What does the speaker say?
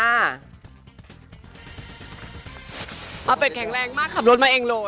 อาเป็ดแข็งแรงมากขับรถมาเองเลย